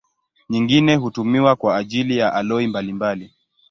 Nyingine hutumiwa kwa ajili ya aloi mbalimbali.